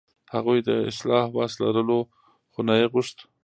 هغوی د اصلاح وس لرلو، خو نه یې غوښت.